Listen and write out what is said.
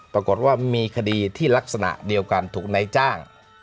ปรากฏว่ามีคดีที่ลักษณะเดียวกันถูกนายจ้าง